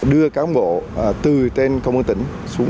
đưa cán bộ từ tên công an tỉnh xuống